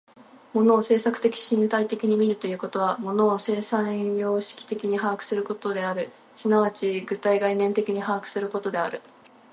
物を制作的身体的に見るということは、物を生産様式的に把握することである、即ち具体概念的に把握することである。